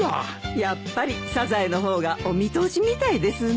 やっぱりサザエの方がお見通しみたいですね。